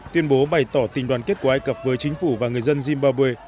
tuyên bố bày tỏ tình đoàn kết của ai cập với chính phủ và người dân zimbabwe